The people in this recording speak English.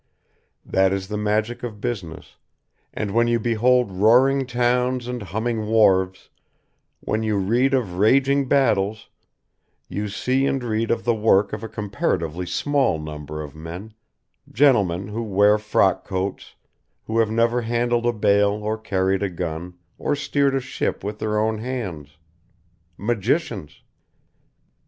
That is the magic of business, and when you behold roaring towns and humming wharves, when you read of raging battles, you see and read of the work of a comparatively small number of men, gentlemen who wear frock coats, who have never handled a bale, or carried a gun, or steered a ship with their own hands. Magicians!